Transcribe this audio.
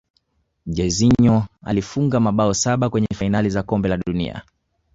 jairzinho alifunga mabao saba kwenye fainali za kombe la dunia